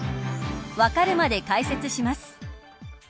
わかるまで解説します。